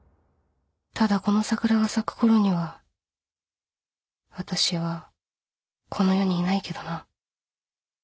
ただこの桜が咲くころには私はこの世にいないけどな